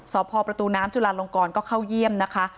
สอบพอประตูน้ำจุลาลงกรก็เข้าเยี่ยมนะคะ